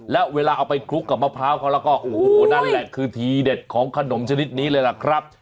แล้วเวลาเอาไปคลุกกับมะพร้าวเขาแล้วก็โอ้โหนั่นแหละคือทีเด็ดของขนมชนิดนี้เลยล่ะครับ